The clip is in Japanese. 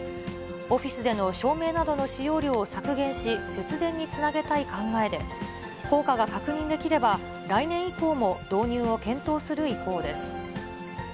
オフィスでの照明などの使用量を削減し、節電につなげたい考えで、効果が確認できれば、来年以降も導入を検討する意向です。